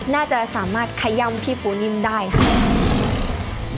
น่าจะสามารถขย่ำพี่ปูนิ่มได้ค่ะ